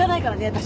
私。